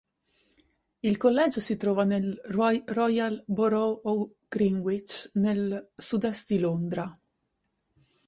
Il collegio si trova nel Royal Borough of Greenwich, nel sud-est di Londra.